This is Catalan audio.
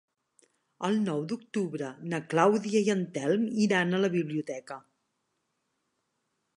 El nou d'octubre na Clàudia i en Telm iran a la biblioteca.